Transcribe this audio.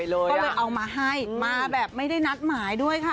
ก็เลยเอามาให้มาแบบไม่ได้นัดหมายด้วยค่ะ